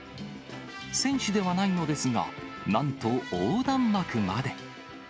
選手ではないのですが、なんと横断幕まで。